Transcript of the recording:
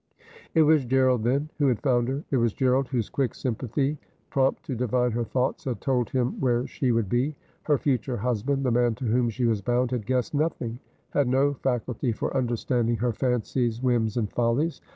It was Gerald, then, who had found her ; it was Gerald whose quick sympathy, prompt to divine her thoughts, had told him where she would be. Her future husband, the man to whom she was bound, had guessed nothing, had no faculty for understanding her fancies, whims, and follies.